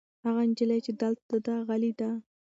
هغه نجلۍ چې دلته ده غلې ده.